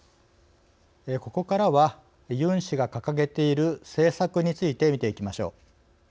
ここからはユン氏が掲げている政策について見ていきましょう。